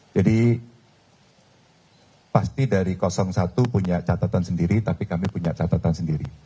jadi pasti dari satu punya catatan sendiri tapi kami punya catatan sendiri